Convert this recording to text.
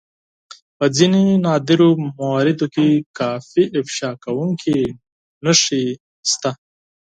په ځينو نادرو مواردو کې کافي افشا کوونکې نښې شته.